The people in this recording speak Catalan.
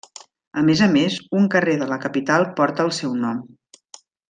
A més a més, un carrer de la capital porta el seu nom.